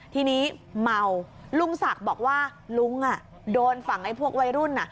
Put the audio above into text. ทีนี้เมาลุงศักดิ์บอกว่าลุงโดนฝั่งไอ้พวกวัยรุ่น